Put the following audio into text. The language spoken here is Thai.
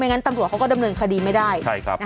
ไม่งั้นตำรวจเขาก็ดำเนินคดีไม่ได้นะคะใช่ครับ